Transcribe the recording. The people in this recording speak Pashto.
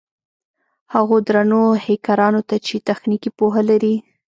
هغو درنو هېکرانو ته چې تخنيکي پوهه لري.